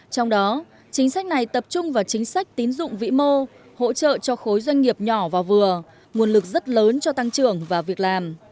trong đó chính sách này tập trung vào chính sách tín dụng vĩ mô hỗ trợ cho khối doanh nghiệp nhỏ và vừa nguồn lực rất lớn cho tăng trưởng và việc làm